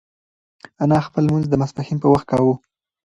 انا خپل لمونځ د ماسپښین په وخت کاوه.